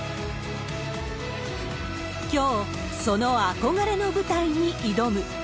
きょう、その憧れの舞台に挑む。